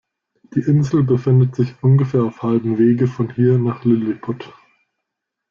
Die Insel befindet sich ungefähr auf halbem Wege von hier nach Liliput.